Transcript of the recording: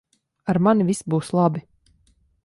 Ar mani viss būs labi.